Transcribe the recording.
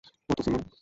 ওই তো সিমোন।